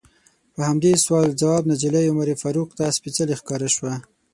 په همدې سوال ځواب نجلۍ عمر فاروق ته سپیڅلې ښکاره شوه.